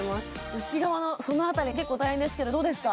内側のそのあたり結構大変ですけどどうですか？